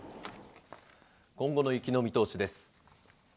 今後の雪の見通しです。